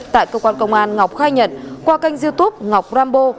tại cơ quan công an ngọc khai nhận qua kênh youtube ngọc rambo